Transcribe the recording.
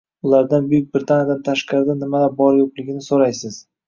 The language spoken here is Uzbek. Ulardan Buyuk Britaniyadan tashqarida nimalar bor-yoʻqligini soʻraysiz.